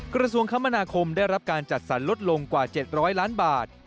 กระทรวงคมนาคมได้รับการจัดสรรลดลงกว่า๗๐๐ล้านบาท